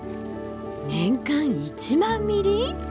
年間１万ミリ！？